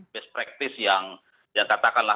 best practice yang katakanlah